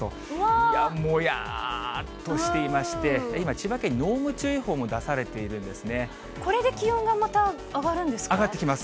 いや、もやーっとしていまして、今、千葉県に濃霧注意報も出されていこれで気温がまた上がるんで上がってきます。